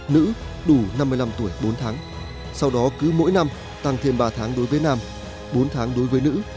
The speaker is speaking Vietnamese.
nữ đủ năm mươi năm tuổi bốn tháng sau đó cứ mỗi năm tăng thêm ba tháng đối với nam bốn tháng đối với nữ